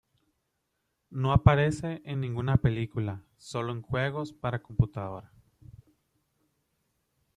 No aparece en ninguna película, solo en juegos para computadora.